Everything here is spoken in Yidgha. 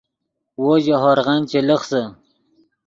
وو ژے ہورغن چے لخسے